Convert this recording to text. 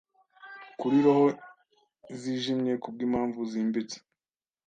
Kuri roho zijimye kubwimpamvu zimbitse